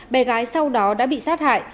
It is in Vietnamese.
bé gái sau đó đã bị sát hại